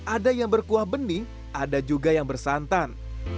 ada yang berkuah bening ada juga yang bersantan